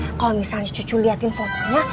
nah kalau misalnya cucu liatin fotonya